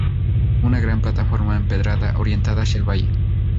Una gran plataforma empedrada orientada hacia el valle.